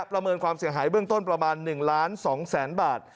ประเมินความเสียหายเบื้องต้นประมาณ๑ล้าน๒แสนบาท